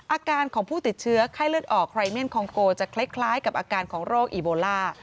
อาการของผู้ติดเชื้อไข้เลือดออกไรเมียนคองโกจะคล้ายกับอาการของโรคอีโบล่า